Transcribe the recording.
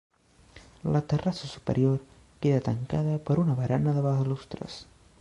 La terrassa superior queda tancada per una barana de balustres.